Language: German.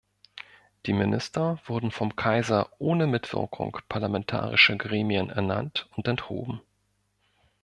Die Minister wurden vom Kaiser ohne Mitwirkung parlamentarischer Gremien ernannt und enthoben.